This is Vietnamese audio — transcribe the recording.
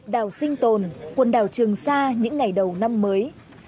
đảo sinh tồn quần đảo trường sa những ngày đầu năm mới